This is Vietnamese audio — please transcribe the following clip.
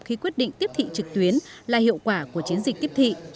khi quyết định tiếp thị trực tuyến là hiệu quả của chiến dịch tiếp thị